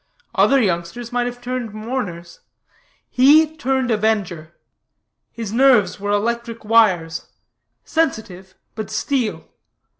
Other youngsters might have turned mourners; he turned avenger. His nerves were electric wires sensitive, but steel.